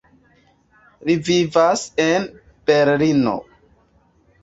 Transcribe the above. Li vivas en Berlino.